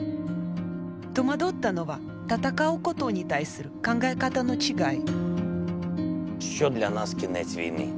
戸惑ったのは戦うことに対する考え方の違い